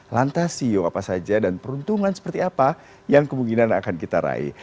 lantasio apa saja dan peruntungan seperti apa yang kemungkinan akan kita rai